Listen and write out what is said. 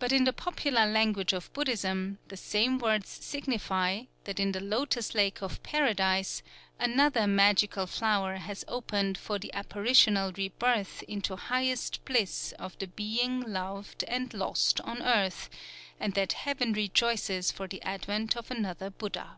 But in the popular language of Buddhism, the same words signify that in the Lotos Lake of Paradise another magical flower has opened for the Apparitional Rebirth into highest bliss of the being loved and lost on earth, and that Heaven rejoices for the advent of another Buddha.